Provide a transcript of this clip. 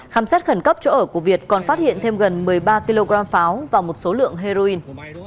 khám xét khẩn cấp chỗ ở của việt còn phát hiện thêm gần một mươi ba kg pháo và một số lượng heroin